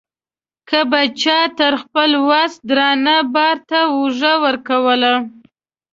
که به چا تر خپل وس درانه بار ته اوږه ورکوله.